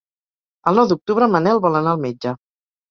El nou d'octubre en Manel vol anar al metge.